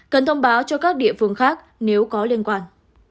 cần thông báo cho các địa phương khác nếu có liên quan